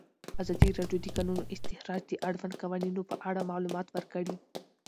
ازادي راډیو د د کانونو استخراج د اړونده قوانینو په اړه معلومات ورکړي.